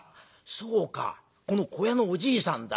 そうかこの小屋のおじいさんだ。